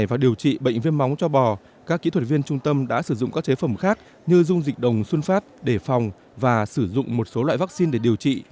để điều trị bệnh viêm móng cho bò các kỹ thuật viên trung tâm đã sử dụng các chế phẩm khác như dung dịch đồng xuân phát để phòng và sử dụng một số loại vaccine để điều trị